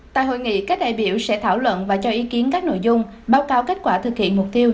tại hội nghị các đại biểu sẽ thảo luận và cho ý kiến các nội dung báo cáo kết quả thực hiện mục tiêu